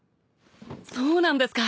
そうなんですか！